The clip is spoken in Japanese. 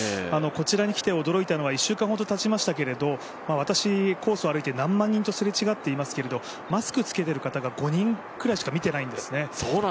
こちらに来て驚いたのは１週間ほどたちましたけど私、コースを歩いて何万人とすれ違っていますけれども、マスク着けている方が、５人くらいしか見ていないんですね。